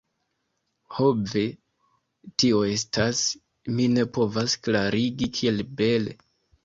Ho ve... tio estas... mi ne povas klarigi kiel bele